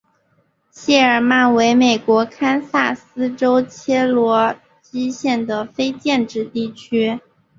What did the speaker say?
谢尔曼为美国堪萨斯州切罗基县的非建制地区。